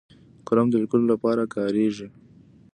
قلم د لیکلو لپاره کارېږي